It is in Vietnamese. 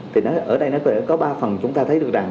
thì ở đây nó có ba phần chúng ta thấy được rằng